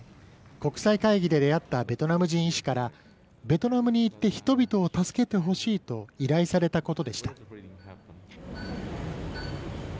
国際会議で出会ったベトナム人医師からベトナムに行って人々を助けてほしいと依頼されたことでした。